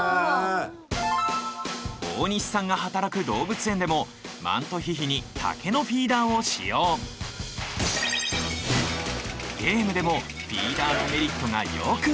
大西さんが働く動物園でもマントヒヒに竹のフィーダーを使用ゲームでもフィーダーのメリットがよく分かる。